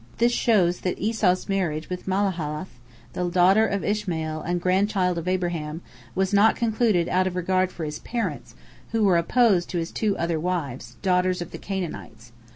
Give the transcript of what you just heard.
" This shows that Esau's marriage with Mahalath, the daughter of Ishmael and grandchild of Abraham, was not concluded out of regard for his parents, who were opposed to his two other wives, daughters of the Canaanites.